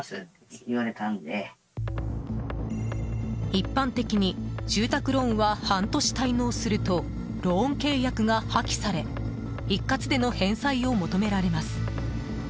一般的に住宅ローンは半年滞納するとローン契約が破棄され一括での返済を求められます。